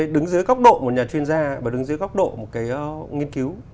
đứng dưới góc độ một nhà chuyên gia và đứng dưới góc độ một nghiên cứu